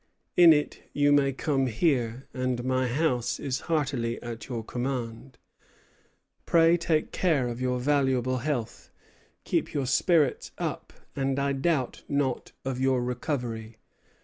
In it you may come here, and my house is heartily at your command. Pray take care of your valuable health; keep your spirits up, and I doubt not of your recovery.